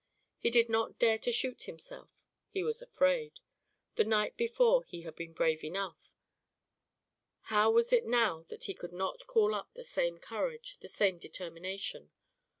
He did not dare to shoot himself he was afraid. The night before he had been brave enough; how was it now that he could not call up the same courage, the same determination?